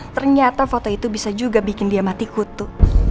ternyata foto itu bisa juga bikin dia mati hutu